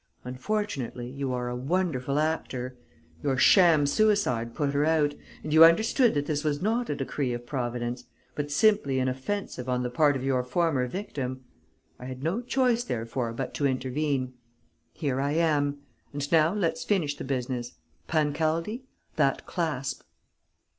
Unfortunately, you are a wonderful actor; your sham suicide put her out; and you understood that this was not a decree of Providence, but simply an offensive on the part of your former victim. I had no choice, therefore, but to intervene. Here I am.... And now let's finish the business. Pancaldi, that clasp!"